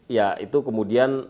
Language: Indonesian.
ya itu kemudian